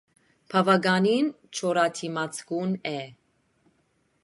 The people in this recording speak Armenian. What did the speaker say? Բավականին չորադիմացկուն է։